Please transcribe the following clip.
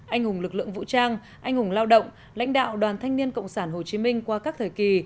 anh hùng lực lượng vũ trang anh hùng lao động lãnh đạo đoàn thanh niên cộng sản hồ chí minh qua các thời kỳ